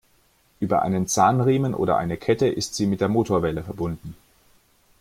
Über einen Zahnriemen oder eine Kette ist sie mit der Motorwelle verbunden.